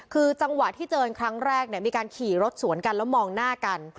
คือจังหวะที่เจอครั้งแรกมีการขี่รถสวนกันแล้วมองหน้ากัน